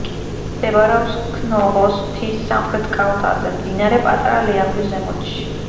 მდებარეობს ქნოღოს მთის სამხრეთ კალთაზე, მდინარე პატარა ლიახვის ზემოთში.